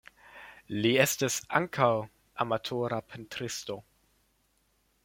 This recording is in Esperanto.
Li estis ankaŭ amatora pentristo.